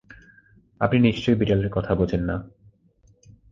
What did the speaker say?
আপনি নিশ্চয়ই বিড়ালের কথা বোঝেন না!